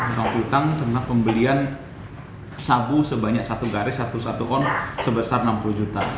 tentang utang tentang pembelian sabu sebanyak satu garis satu satu ton sebesar enam puluh juta